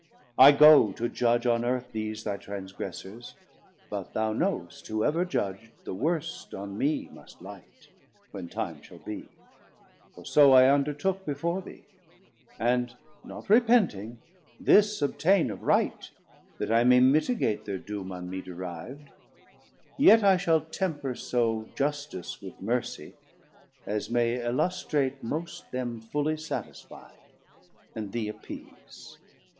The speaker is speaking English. I go to judge On Earth these thy transgressors, but thou knowst, Whoever judg'd, the worst on mee must light, When time shall be, for so I undertook Before thee; and not repenting, this obtaine Of right, that I may mitigate thir doom On me deriv'd, yet I shall temper so Justice with Mercie, as may illustrate most Them fully satisfied, and thee appease.